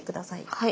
はい。